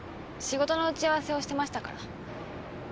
仕事の打ち合わせをしてましたから。